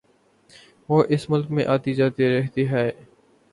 وہ اس ملک میں آتی جاتی رہتی ہے